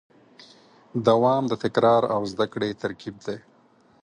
دوام د تکرار او زدهکړې ترکیب دی.